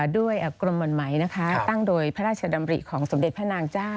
ด้วยกรมหวันไหมตั้งโดยพระราชดำริของสมเด็จพระนางเจ้า